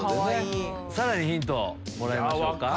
さらにヒントをもらいましょうか。